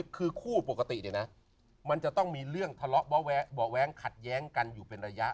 คือคู่ปกติเนี่ยนะมันจะต้องมีเรื่องทะเลาะเบาะแว้งขัดแย้งกันอยู่เป็นระยะ